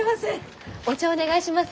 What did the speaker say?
お茶お願いします。